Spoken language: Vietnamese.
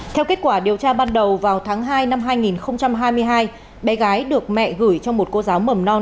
theo kết quả điều tra ban đầu vào tháng hai năm hai nghìn hai mươi hai bé gái được mẹ gửi cho một cô giáo mầm non